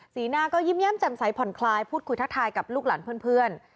หน้าก็ยิ้มแย้มแจ่มใสผ่อนคลายพูดคุยทักทายกับลูกหลานเพื่อน